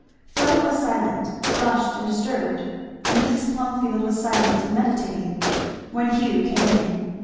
Fleda was silent, flushed and disturbed; and Mrs. Plumfield was silent and meditating; when Hugh came in.